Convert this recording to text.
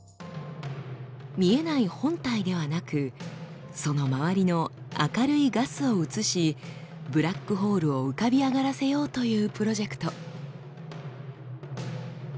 見えない本体ではなくその周りの明るいガスを写しブラックホールを浮かび上がらせようというプロジェクト。